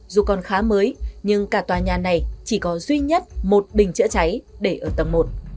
dù còn khá mới nhưng cả tòa nhà này chỉ có duy nhất một bình chữa cháy để ở tầng một